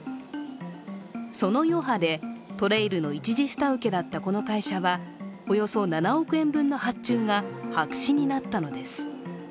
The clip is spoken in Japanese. その余波でＴＲＡＩＬの１次下請けだったこの会社はおよそ７億円分の発注が白紙になったのです。